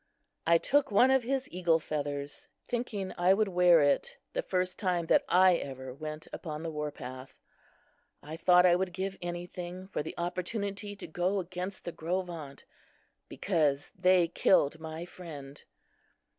I took one of his eagle feathers, thinking I would wear it the first time that I ever went upon the war path. I thought I would give anything for the opportunity to go against the Gros Ventres, because they killed my friend.